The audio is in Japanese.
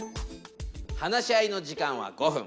話し合いの時間は５分。